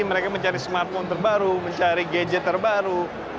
mereka mencari smartphone terbaru mencari gadget terbaru